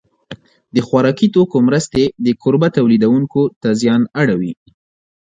د خوراکي توکو مرستې د کوربه تولیدوونکو ته زیان اړوي.